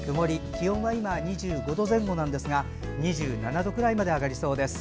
気温は今、２５度前後ですが２７度くらいまで上がりそうです。